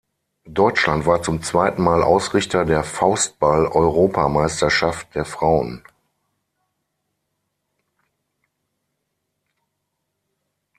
Deutschland war zum zweiten Mal Ausrichter der Faustball-Europameisterschaft der Frauen.